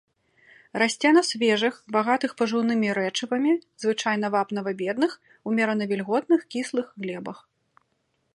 Расце на свежых, багатых пажыўнымі рэчывамі, звычайна вапнава-бедных, умерана вільготных кіслых глебах.